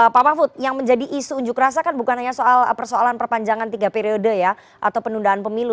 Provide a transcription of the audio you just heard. pak mafud yang menjadi isu ujuk rasa bukan hanya soal persoalan perpanjangan tiga periode atau penundaan pemilu